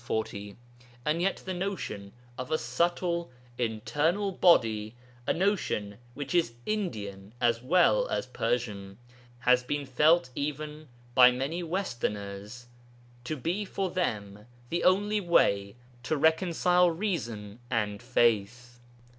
] And yet the notion of a subtle, internal body, a notion which is Indian as well as Persian, has been felt even by many Westerns to be for them the only way to reconcile reason and faith.